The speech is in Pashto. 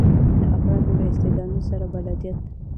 د افرادو له استعدادونو سره بلدیت.